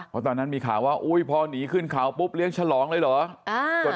เพราะตอนนั้นมีข่าวว่าอุ๊ยพอหนีขึ้นเขาปุ๊บเลี้ยงฉลองเลยเหรอ